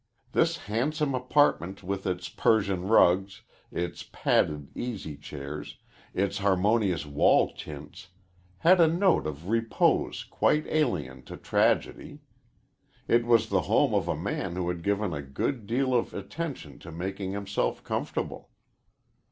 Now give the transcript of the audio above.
This handsome apartment with its Persian rugs, its padded easy chairs, its harmonious wall tints, had a note of repose quite alien to tragedy. It was the home of a man who had given a good deal of attention to making himself comfortable.